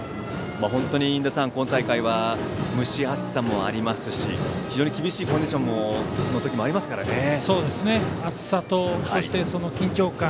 印出さん、今大会は蒸し暑さもありますし非常に厳しいコンディションの時も暑さと緊張感。